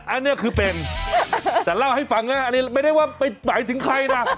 อันนี้คือเป็นแต่เล่าให้ฟังนะอันนี้ไม่ได้ว่าไปหมายถึงใครนะ